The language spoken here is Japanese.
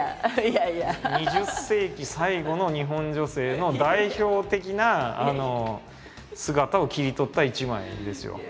２０世紀最後の日本女性の代表的な姿を切り取った一枚ですよ。